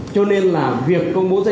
cho nên là việc công bố danh tính